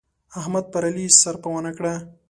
احمد پر علي سرپه و نه کړه.